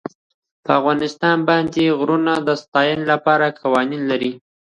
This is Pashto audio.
افغانستان د پابندی غرونه د ساتنې لپاره قوانین لري.